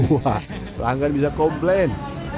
wah pelanggan bisa komplain